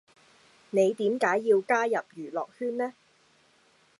你點解要加入娛樂圈呢